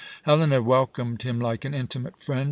Helena welcomed him like an intimate friend.